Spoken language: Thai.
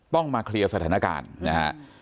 ต้องมาเคลียร์สถานการณ์นะฮะ